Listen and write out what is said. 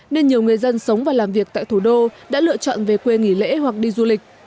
nên nhiều người dân sống và làm việc tại thủ đô đã lựa chọn về quê nghỉ lễ hoặc đi du lịch